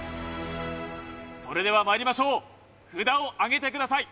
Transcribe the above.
それではまいりましょう札をあげてください